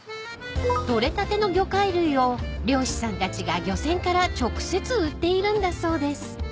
［取れたての魚介類を漁師さんたちが漁船から直接売っているんだそうです］